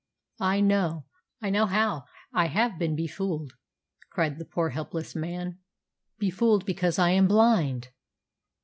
"I know! I know how I have been befooled!" cried the poor helpless man, "befooled because I am blind!"